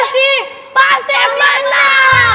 siapa yang jadi pemenang